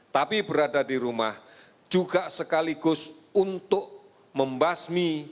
tapi berada di rumah juga sekaligus untuk membasmi